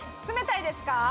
冷たいですか？